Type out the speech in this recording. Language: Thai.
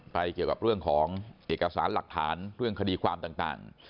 เกี่ยวกับเรื่องของเอกสารหลักฐานเรื่องคดีความต่าง